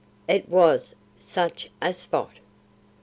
"It was such a spot."